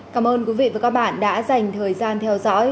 cảm ơn quý vị và các bạn đã dành thời gian theo dõi